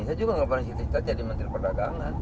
saya juga gak pernah cerita cerita jadi menteri perdagangan